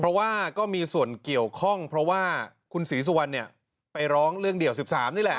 เพราะว่าก็มีส่วนเกี่ยวข้องเพราะว่าคุณศรีสุวรรณเนี่ยไปร้องเรื่องเดี่ยว๑๓นี่แหละ